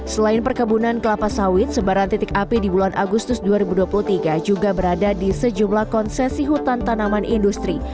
selain perkebunan kelapa sawit sebaran titik api di bulan agustus dua ribu dua puluh tiga juga berada di sejumlah konsesi hutan tanaman industri